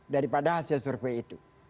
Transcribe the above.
daripada hasil survei itu